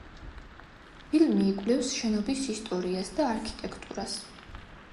ფილმი იკვლევს შენობის ისტორიას და არქიტექტურას.